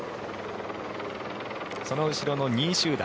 その後ろの２位集団。